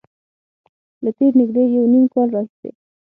له تېر نږدې یو نیم کال راهیسې